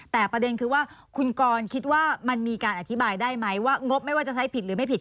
แต่ประเด็นคือว่าคุณกรได้ไหมว่างบใช้ผิดหรือไม่ผิด